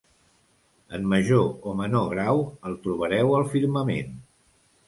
En major o menor grau, el trobareu al firmament.